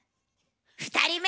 ２人目。